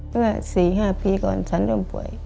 ก็๔๕ปีก่อนฉันเริ่มป่วย